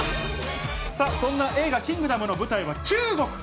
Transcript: そんな映画、キングダムの舞台は中国。